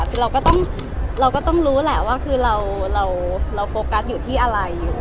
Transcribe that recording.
คือเราก็ต้องเราก็ต้องรู้แหละว่าคือเราโฟกัสอยู่ที่อะไรอยู่